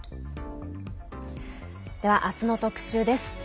では明日の特集です。